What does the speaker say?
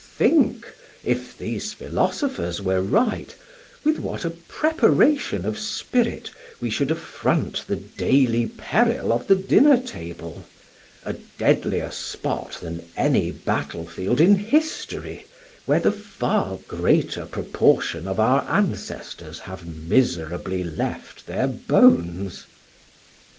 Think (if these philosophers were right) with what a preparation of spirit we should affront the daily peril of the dinner table: a deadlier spot than any battlefield in history, where the far greater proportion of our ancestors have miserably left their bones!